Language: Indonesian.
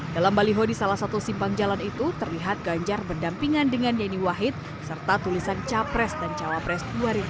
dalam baliho di salah satu simpang jalan itu terlihat ganjar berdampingan dengan yeni wahid serta tulisan capres dan cawapres dua ribu dua puluh